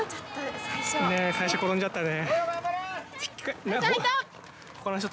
ねえ最初転んじゃったね。